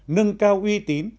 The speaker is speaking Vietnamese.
nâng cao uy tín